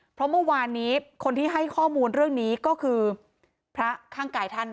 เพราะเมื่อวานนี้คนที่ให้ข้อมูลเรื่องนี้ก็คือพระข้างกายท่าน